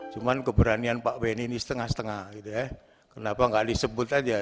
cuman keberanian pak bni ini setengah setengah gitu ya kenapa enggak disediakan